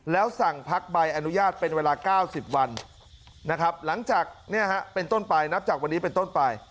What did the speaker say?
แล้วสั่งพักใบอนุญาตเป็นเวลา๙๐วันนะครับหลังจากเป็นต้นไปนับจากวันนี้เป็นต้นไป